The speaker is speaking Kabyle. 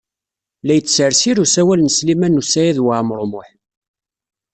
La yettsersir usawal n Sliman U Saɛid Waɛmaṛ U Muḥ.